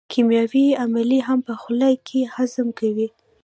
کیمیاوي عملیې هم په خوله کې هضم کوي.